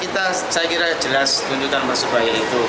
saya kira jelas tuntutan persebaya itu